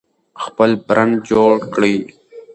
خپل برند جوړ کړئ.